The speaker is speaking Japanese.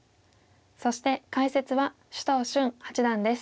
そして解説は首藤瞬八段です。